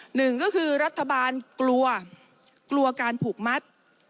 หนึ่งก็คือรัฐบาลกลัวกลัวการผูกมัด